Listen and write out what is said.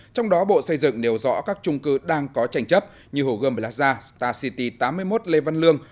trong đó bộ xây dựng nêu rõ các trung cư đang có tranh chấp như hồ gơm lạc gia star city tám mươi một lê văn lương